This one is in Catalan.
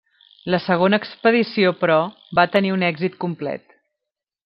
La segona expedició, però, va tenir un èxit complet.